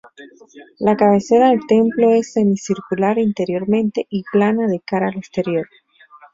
La cabecera del templo es semicircular interiormente y plana de cara al exterior.